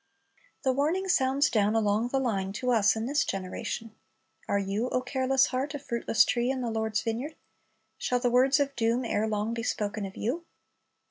The warning sounds down along the line to us in this generation. Are you, O careless heart, a fruitless tree in the Lord's vineyard? Shall the words of doom erelong be spoken of you?